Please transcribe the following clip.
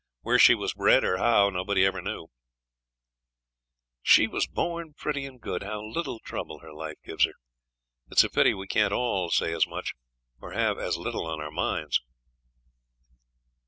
Where she was bred or how, nobody ever knew); 'she was born pretty and good. How little trouble her life gives her. It's a pity we can't all say as much, or have as little on our minds.'